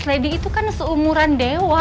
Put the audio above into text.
freddy itu kan seumuran dewa